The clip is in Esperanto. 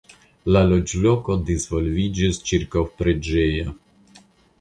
La loĝloko disvolviĝis ĉirkaŭ preĝejo.